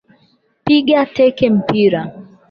Piga teke mpira